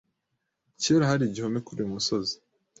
Kera hari igihome kuri uyu musozi.